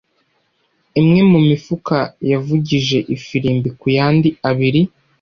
Imwe mu mifuka yavugije ifirimbi ku yandi abiri.